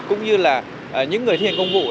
cũng như là những người thiên công vụ